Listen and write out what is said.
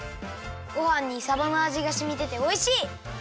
ごはんにさばのあじがしみてておいしい！